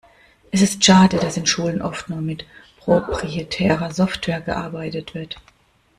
Es ist schade, dass in Schulen oft nur mit proprietärer Software gearbeitet wird.